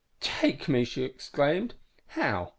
"_ _"Take me!" she exclaimed. "How?